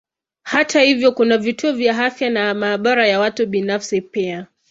Hata hivyo kuna vituo vya afya na maabara ya watu binafsi pia.